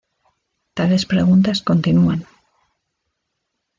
Tales preguntas continúan.